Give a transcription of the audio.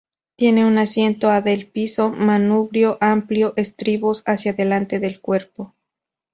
Tiene un asiento a del piso, manubrio amplio, estribos hacia adelante del cuerpo.